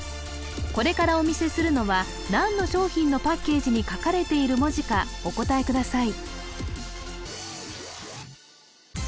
これからお見せするのは何の商品のパッケージに書かれている文字かお答えください